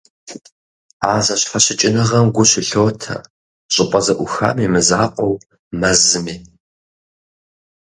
А зэщхьэщыкӀыныгъэм гу щылъотэ щӀыпӀэ зэӀухам и мызакъуэу, мэзми.